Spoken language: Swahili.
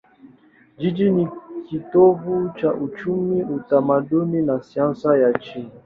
Jiji ni kitovu cha uchumi, utamaduni na siasa ya nchi.